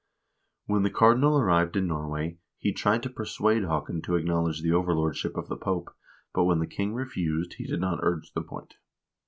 1 When the cardinal arrived in Norway, he tried to persuade Haakon to acknowledge the overlordship of the Pope, but when the king refused, he did not urge the point.